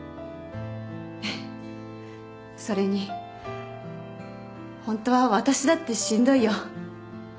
それにホントは私だってしんどいよ。